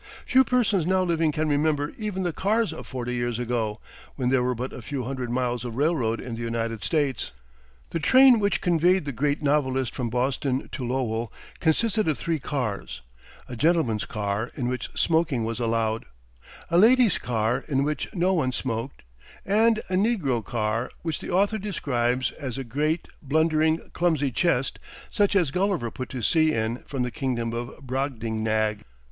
Few persons now living can remember even the cars of forty years ago, when there were but a few hundred miles of railroad in the United States. The train which conveyed the great novelist from Boston to Lowell consisted of three cars, a gentlemen's car in which smoking was allowed, a ladies' car in which no one smoked, and "a negro car," which the author describes as a "great, blundering, clumsy chest, such as Gulliver put to sea in from the kingdom of Brobdingnag."